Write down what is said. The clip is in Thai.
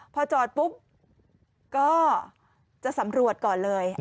พอจอดปุ๊บก็จะสำรวจก่อนเลย